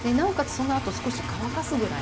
そのあと少し乾かすぐらいの。